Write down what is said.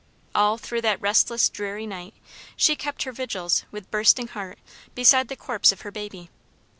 All through that restless, dreary night, she kept her vigils, with bursting heart, beside the corpse of her babe.